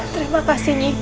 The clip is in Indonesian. terima kasih nyi